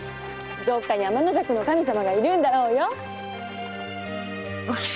どっかに天の邪鬼の神さまがいるんだろうよ！